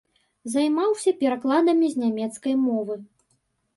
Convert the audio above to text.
Займаўся перакладамі з нямецкай мовы.